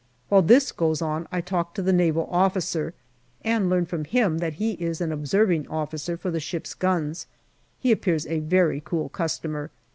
While this goes on I talk to the Naval officer, and learn from him that he is an observing officer for the ships' guns ; he appears a very cool customer.